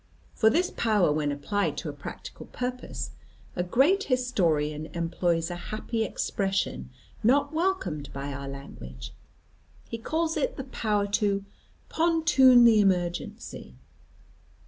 For this power when applied to a practical purpose, a great historian employs a happy expression not welcomed by our language; he calls it the power to "pontoon the emergency."